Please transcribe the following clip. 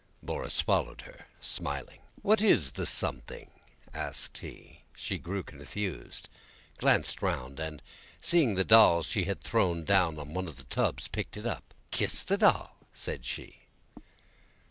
Borís followed her, smiling. "What is the something?" asked he. She grew confused, glanced round, and, seeing the doll she had thrown down on one of the tubs, picked it up. "Kiss the doll," said she.